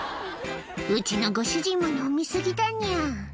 うちのご主人も飲みすぎだにゃ。